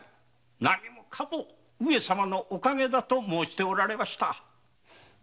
何もかも上様のお陰だと申しておられました。